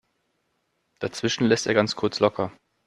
Dazwischen lässt er ganz kurz locker.